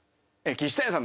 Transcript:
岸谷さん。